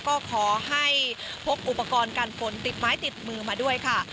ก็ขอให้พกอุปกรณ์กันฝนติดไม้ติดมือมาด้วยค่ะ